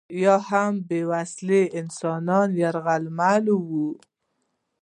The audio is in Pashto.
یا هم بې وسلې انسانان یرغمالوي.